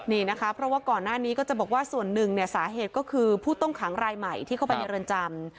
นี่นะคะเพราะว่าก่อนหน้านี้ก็จะบอกว่าส่วนหนึ่งเนี่ยสาเหตุก็คือผู้ต้องขังรายใหม่ที่เข้าไปในเรือนจำ